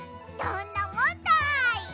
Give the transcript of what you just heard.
どんなもんだい！